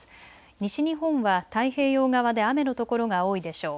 西日本は太平洋側で雨のところが多いでしょう。